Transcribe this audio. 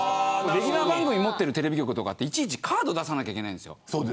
レギュラー番組を持っているテレビ局とかっていちいちカードを出さなきゃいけないんです。